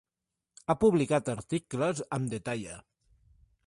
Ha publicat articles amb The Tyee.